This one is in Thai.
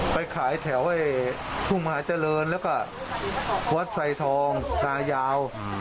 ไปขายแถวทุ่งมหาเจริญแล้วก็วัดไซทองตายาว